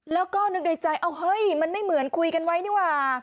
แล้วก็นึกในใจเอาเฮ้ยมันไม่เหมือนคุยกันไว้นี่ว่า